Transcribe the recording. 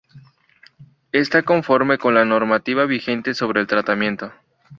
Está conforme con la normativa vigente sobre el tratamiento